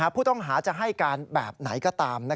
ผู้ต้องหาจะให้การแบบไหนก็ตาม